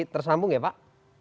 tersambung ya pak